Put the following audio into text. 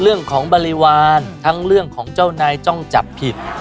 เรื่องของบริวารทั้งเรื่องของเจ้านายต้องจับผิด